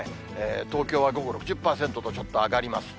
東京は午後６０％とちょっと上がります。